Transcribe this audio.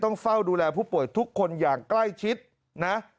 ต้องเฝ้าดูแลผู้ป่วยทุกคนอย่างใกล้ชิดนะ